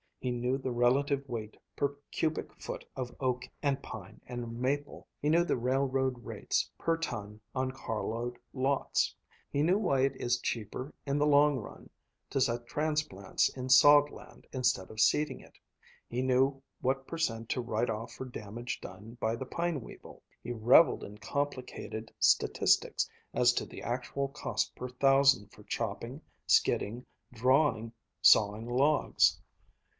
He knew the relative weight per cubic foot of oak and pine and maple; he knew the railroad rates per ton on carload lots; he knew why it is cheaper in the long run to set transplants in sod land instead of seeding it; he knew what per cent to write off for damage done by the pine weevil, he reveled in complicated statistics as to the actual cost per thousand for chopping, skidding, drawing, sawing logs.